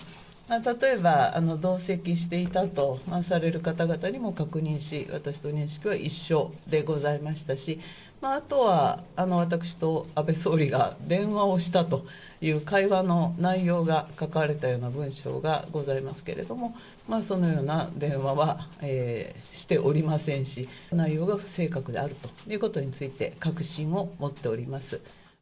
例えば、同席していたとされる方々にも確認し、私と認識は一緒でございましたし、あとは私と安倍総理が電話をしたという会話の内容が書かれたような文章がございますけれども、そのような電話はしておりませんし、内容が不正確であるということについて、確信を持っております。